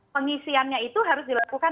pengisiannya itu harus dilakukan